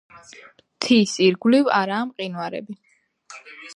მთის ირგვლივ არაა მყინვარები.